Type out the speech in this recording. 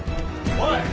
おい！